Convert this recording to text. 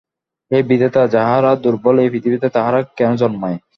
হে বিধাতা, যাহারা দুর্বল এ পৃথিবীতে তাহারা কেন জন্মায়?